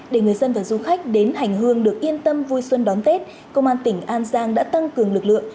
để người dân và du khách đến hành hương được yên tâm vui xuân đón tết công an tỉnh an giang đã tăng cường lực lượng